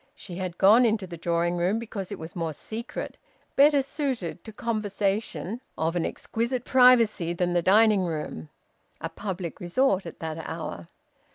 She had gone into the drawing room because it was more secret, better suited to conversation of an exquisite privacy than the dining room a public resort at that hour.